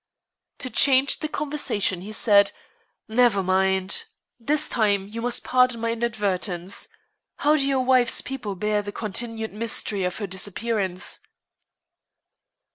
To change the conversation he said: "Never mind; this time you must pardon my inadvertence. How do your wife's people bear the continued mystery of her disappearance?"